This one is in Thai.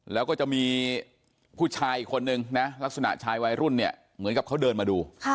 แล้วก็จะมีผู้ชายอีกคนนึงนะลักษณะชายวัยรุ่นเนี่ยเหมือนกับเขาเดินมาดู